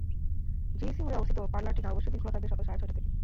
GEC মোড়ে অবস্থিত পারলারটি নববর্ষের দিন খোলা থাকবে সকাল সাড়ে ছয়টা থেকে।